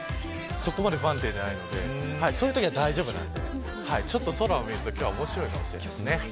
そこまで不安定ではないのでそういうときは大丈夫なので空を見ると面白いかもしれないですね。